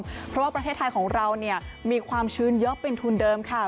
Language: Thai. เพราะว่าประเทศไทยของเราเนี่ยมีความชื้นเยอะเป็นทุนเดิมค่ะ